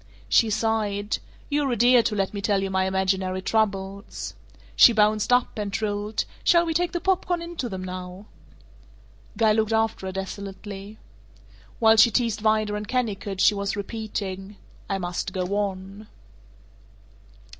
She sighed, "You're a dear to let me tell you my imaginary troubles." She bounced up, and trilled, "Shall we take the pop corn in to them now?" Guy looked after her desolately. While she teased Vida and Kennicott she was repeating, "I must go on."